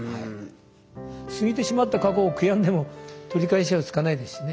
過ぎてしまった過去を悔やんでも取り返しはつかないですしね。